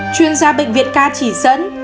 chuyên gia bệnh viện ca chỉ dẫn